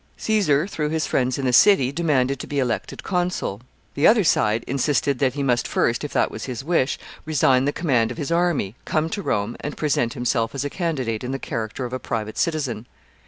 Caesar through his friends in the city, demanded to be elected consul. The other side insisted that he must first, if that was his wish, resign the command of his army, come to Rome, and present himself as a candidate in the character of a private citizen.